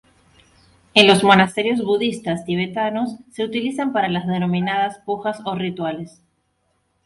En los monasterios budistas tibetanos se utilizan para las denominadas pujas o rituales.